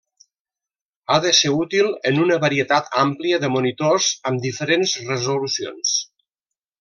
Ha de ser útil en una varietat àmplia de monitors amb diferents resolucions.